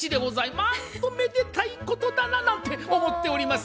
なんとめでたいことだななんて思っております。